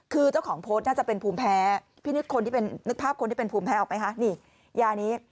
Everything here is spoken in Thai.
คือเจ้าของโพสต์น่าจะเป็นภูมิแพ้นึกภาพคนที่เป็นภูมิแพ้ออกไหมคะ